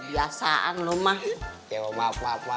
yee lu beneran mau pergi